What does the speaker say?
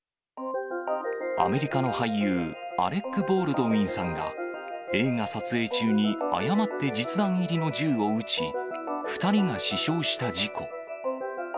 アメリカの俳優、アレック・ボールドウィンさんが、映画撮影中に誤って実弾入りの銃を撃ち、２人が死傷した事故。